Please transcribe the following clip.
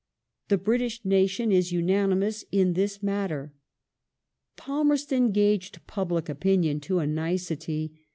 The British nation is unanimous in this matter." Palmerston gauged public opinion to a nicety.